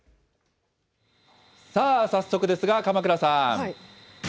さあ、早速ですが、鎌倉さん。